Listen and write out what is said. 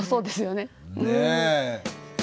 ねえ。